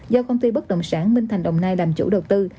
do công ty bất động sản minh thành đồng nai làm chủ đầu tư